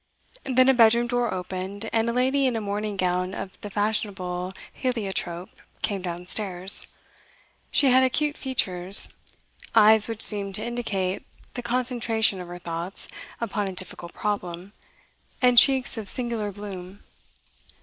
Then a bedroom door opened, and a lady in a morning gown of the fashionable heliotrope came downstairs. She had acute features; eyes which seemed to indicate the concentration of her thoughts upon a difficult problem, and cheeks of singular bloom.